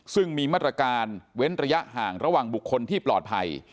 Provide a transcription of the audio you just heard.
ซึ่งมีมาตรการเว้นระยะห่างระหว่างบุคคลที่ปลอดภัย